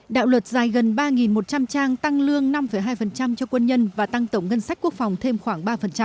đạo luật dài gần ba một trăm linh trang tăng lương năm hai cho quân nhân và tăng tổng ngân sách quốc phòng thêm khoảng ba